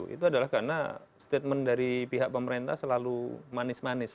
itu adalah karena statement dari pihak pemerintah selalu manis manis